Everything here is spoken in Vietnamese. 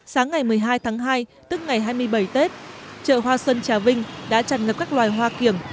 sáng ngày một mươi hai tháng hai tức ngày hai mươi bảy tết chợ hoa xuân trà vinh đã chặt ngập các loài hoa kiểm